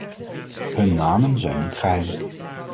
Hun namen zijn niet geheim.